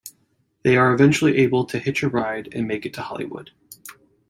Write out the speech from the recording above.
They are eventually able to hitch a ride and make it to Hollywood.